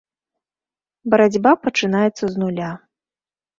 Барацьба пачынаецца з нуля.